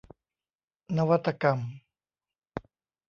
นวัตกรรม